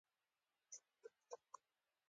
د امریکا د کمپیوټري شیانو د راتلونکي سره